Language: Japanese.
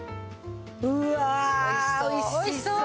うわおいしそう！